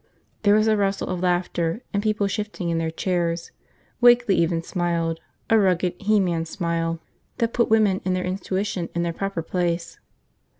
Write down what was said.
There was a rustle of laughter and people shifting in their chairs. Wakeley even smiled, a rugged, he man smile that put women and their intuition in their proper place.